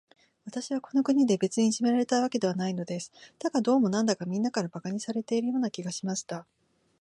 私はこの国で、別にいじめられたわけではないのです。だが、どうも、なんだか、みんなから馬鹿にされているような気がしました。